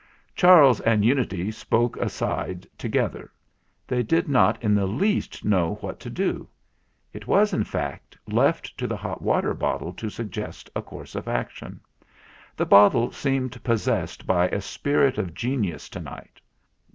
Charles and Unity spoke aside together. They did not in the least know what to do. It was, in fact, left to the hot water bottle to suggest a course of action. The bottle seemed possessed by a spirit of genius to night.